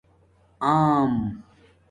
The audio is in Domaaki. آم